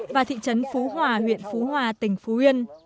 và thị trấn phú hòa huyện phú hòa tỉnh phú yên